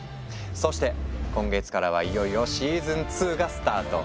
そして今月からはいよいよシーズン２がスタート。